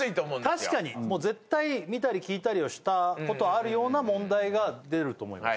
確かにもう絶対見たり聞いたりはしたことあるような問題が出ると思います